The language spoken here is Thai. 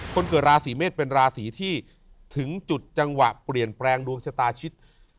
คนเกิดราศีเมษเป็นราศีที่ถึงจุดจังหวะเปลี่ยนแปลงดวงชะตาชิด